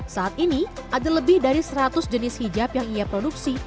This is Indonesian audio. saat ini ada lebih dari seratus jenis hijab yang ia produksi